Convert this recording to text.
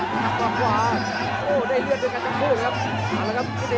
ได้เลือกด้วยกันทั้งคู่ครับ